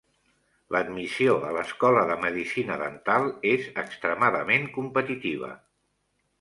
L'admissió a l'Escola de Medicina Dental és extremadament competitiva.